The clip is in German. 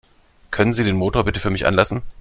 Können Sie den Motor bitte für mich anlassen?